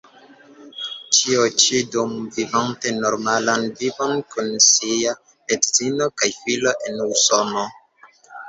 Ĉio ĉi dum vivante normalan vivon kun sia edzino kaj filo en Usono.